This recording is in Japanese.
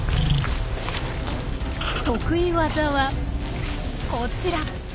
得意技はこちら。